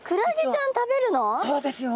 そうですよ。